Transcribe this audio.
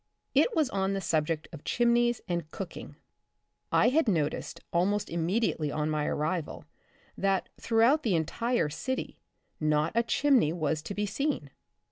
It was on the subject of chimneys and cooking. I had noticed almost immediately on my arrival that, throughout the entire city, not a chimney was to be seen.